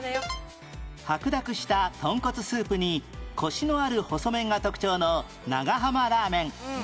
白濁した豚骨スープにコシのある細麺が特徴の長浜ラーメン